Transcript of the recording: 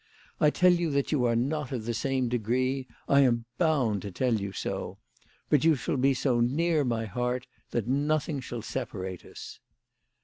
I tell you that you are not of the same degree. I am bound to tell you so. But you shall be so near my heart that nothing shall separate us.